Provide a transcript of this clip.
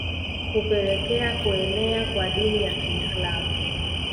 Kupelekea kuenea kwa Dini ya Kiislamu